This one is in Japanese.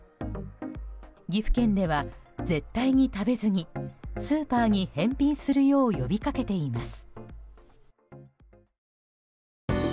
岐阜県では絶対に食べずにスーパーに返品するよう呼びかけています。